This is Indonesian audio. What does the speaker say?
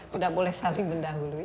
tidak boleh saling mendahului